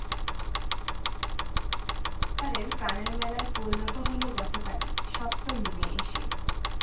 বইমেলা যেন সত্যিকারের প্রাণের মেলায় পরিণত হলো গতকালই, সপ্তম দিনে এসে।